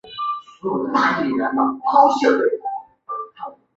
清水氏赤箭为兰科赤箭属下的一个种。